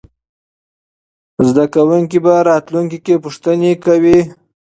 زده کوونکي به راتلونکې کې پوښتنې کوله.